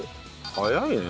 早いね。